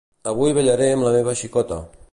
Avui ballaré amb la meva xicota.